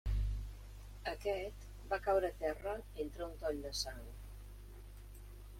Aquest, va caure a terra entre un toll de sang.